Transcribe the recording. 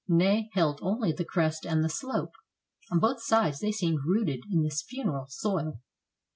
Ney held only the crest and the slope. On both sides they seemed rooted in this funeral soil.